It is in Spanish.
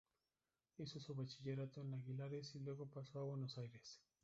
Hizo su bachillerato en Aguilares y luego pasó a Buenos Aires.